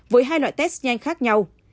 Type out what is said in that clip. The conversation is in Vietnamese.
với hai loại test nhanh khác nhau